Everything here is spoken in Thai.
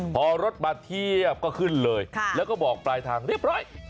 พอรถมาเทียบก็ขึ้นเลยแล้วก็บอกปลายทางเรียบร้อย